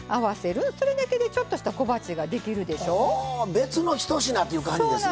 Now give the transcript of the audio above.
別のひと品っていう感じですね。